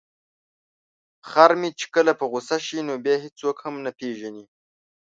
خر مې چې کله په غوسه شي نو بیا هیڅوک هم نه پيژني.